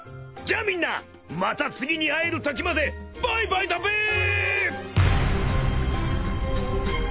じゃあみんなまた次に会えるときまでバイバイだべ。